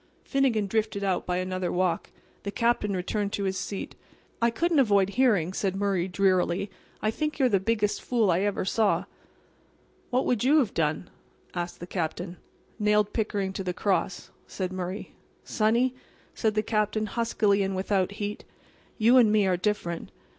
Finnegan drifted out by another walk. The Captain returned to his seat. "I couldn't avoid hearing," said Murray, drearily. "I think you are the biggest fool I ever saw." "What would you have done?" asked the Captain. "Nailed Pickering to the cross," said Murray. "Sonny," said the Captain, huskily and without heat. "You and me are different.